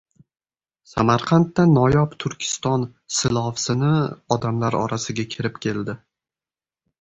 Samarqandda noyob Turkiston silovsini odamlar orasiga kirib keldi